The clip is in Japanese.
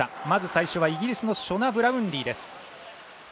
まず最初はイギリスのショナ・ブラウンリーです。